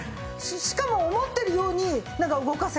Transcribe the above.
しかも思ってるように動かせる。